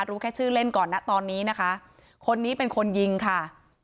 รู้แค่ชื่อเล่นก่อนนะตอนนี้นะคะคนนี้เป็นคนยิงค่ะ